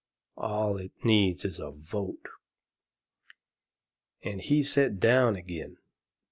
All it needs is a vote." And he set down agin.